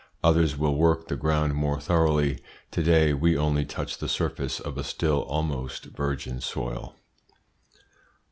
Others will work the ground more thoroughly. To day we only touch the surface of a still almost virgin soil.